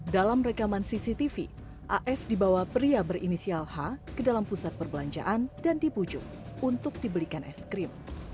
dalam rekaman cctv as dibawa pria berinisial h ke dalam pusat perbelanjaan dan dipujuk untuk dibelikan es krim